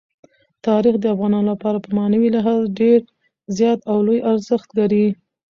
تاریخ د افغانانو لپاره په معنوي لحاظ ډېر زیات او لوی ارزښت لري.